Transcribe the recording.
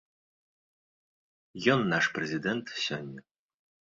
Ён наш прэзідэнт сёння.